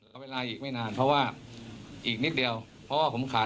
เจ้าจ้างมาถามแล้วเปล่าครับ